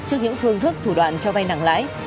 trước những phương thức thủ đoạn cho vay nặng lãi